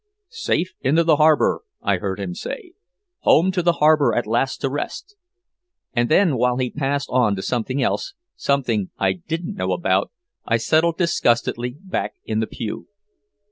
"Safe into the harbor," I heard him say. "Home to the harbor at last to rest." And then, while he passed on to something else, something I didn't know about, I settled disgustedly back in the pew.